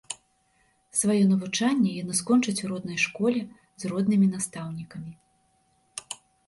Сваё навучанне яны скончаць у роднай школе з роднымі настаўнікамі.